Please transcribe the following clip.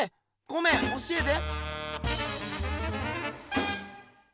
ごめん教えて。